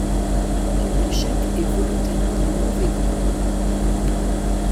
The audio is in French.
La pochette est volontairement de mauvais goût.